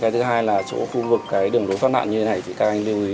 cái thứ hai là chỗ khu vực cái đường lối thoát nạn như thế này thì các anh lưu ý